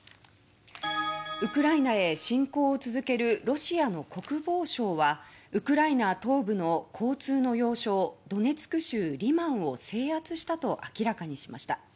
ウクライナへ侵攻を続けるロシアの国防省はウクライナ東部の交通の要衝ドネツク州リマンを制圧したと明らかにしました。